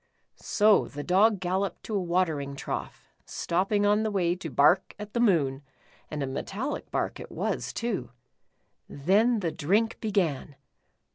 So the Dog gal loped to a watering trough, stopping on the way to bark at the moon, and a metallic bark it was too. Then, the drink began.